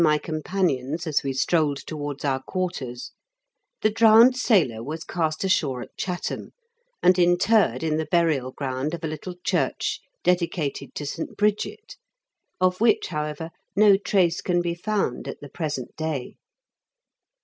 my companions as we strolled towards our quarters, the drowned sailor was cast ashore at Chatham, and interred in the burial ground of a little church dedicated to St. Bridget, of which, however, no trace can be found at the present day.